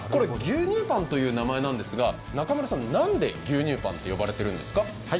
牛乳パンという名前なんですが、何で牛乳パンって呼ばれてるんですか？